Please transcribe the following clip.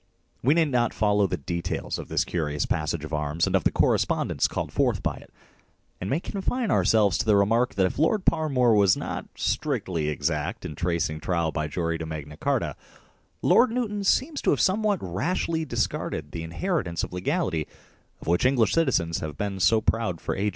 1 We need not follow the details of this curious pass age of arms and of the correspondence called forth by it, and may confine ourselves to the remark that if Lord Parmoor was not strictly exact in tracing the trial by jury to Magna Carta, Lord Newton seems to have somewhat rashly discarded the inheritance of legality of which English citizens have been so proud for ages.